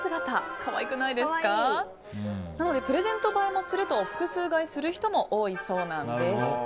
可愛い！なので、プレゼント映えすると複数買いする方も多いそうです。